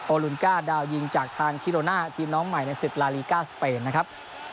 ลุนก้าดาวยิงจากทางคิโรน่าทีมน้องใหม่ในศึกลาลีก้าสเปนนะครับ